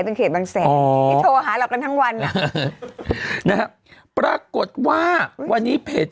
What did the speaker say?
เป็นเขตบางแสนที่โทรหาเรากันทั้งวันนะฮะปรากฏว่าวันนี้เพจ